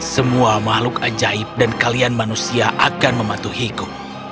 semua makhluk ajaib dan kalian manusia akan mematuhiku